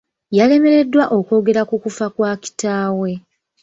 Yalemereddwa okwogera ku kufa kwa kitaawe.